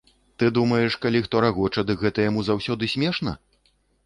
Ты думаеш, калі хто рагоча, дык гэта яму заўсёды смешна?!